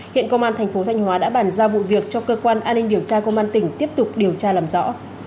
hiện công an thành phố thanh hóa đã bàn ra vụ việc cho cơ quan an ninh điều tra công an tỉnh tiếp tục điều tra làm rõ